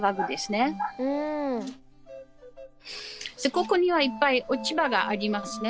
ここにはいっぱい落ち葉がありますね。